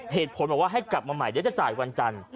เหตุผลบอกว่าให้กลับมาใหม่เดี๋ยวจะจ่ายวันจันทร์